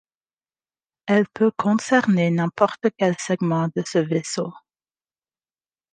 Elle peut concerner n'importe quel segment de ce vaisseau.